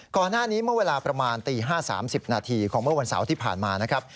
ก่อนหน้านี้เมื่อเวลาประมาณตี๕๓๐นาทีของเมื่อวันเสาร์ที่ผ่านมานะครับ